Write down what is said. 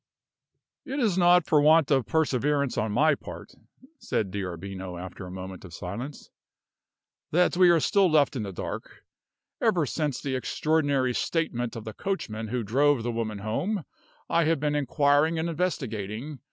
"It is not for want of perseverance on my part," said D'Arbino, after a moment of silence, "that we are still left in the dark. Ever since the extraordinary statement of the coachman who drove the woman home, I have been inquiring and investigating.